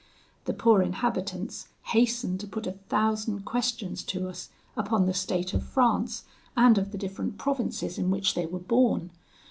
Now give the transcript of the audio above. "The poor inhabitants hastened to put a thousand questions to us upon the state of France, and of the different provinces in which they were born.